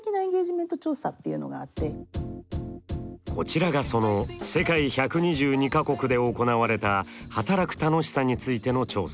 こちらがその世界１２２か国で行われた働く楽しさについての調査。